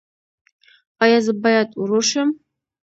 ایا زه باید ورور شم؟